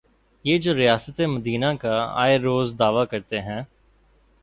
یہ جو ریاست مدینہ کا آئے روز دعوی کرتے ہیں۔